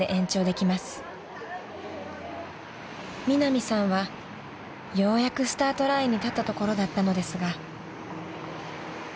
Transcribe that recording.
［ミナミさんはようやくスタートラインに立ったところだったのですが］